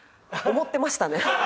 思ってました。